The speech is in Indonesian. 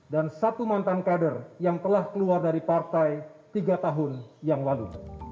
dan satu mantan kader yang telah keluar dari partai tiga tahun yang lalu